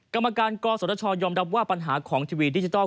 กรรมการกศชยอมรับว่าปัญหาของทีวีดิจิทัล